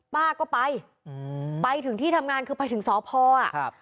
ป้าก็ไปอืมไปถึงที่ทำงานคือไปถึงสพอ่ะครับ